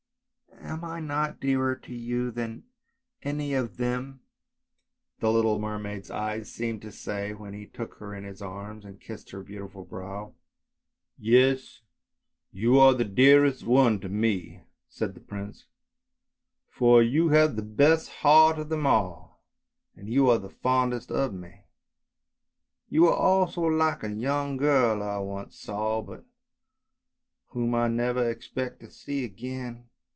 " Am I not dearer to you than any of them? " the little mermaid's eyes seemed to say when he took her in his arms and kissed her beautiful brow. " Yes, you are the dearest one to me," said the prince, " for you have the best heart of them all, and you are fondest of me; you are also like a young girl I once saw, but whom I never expect to see again.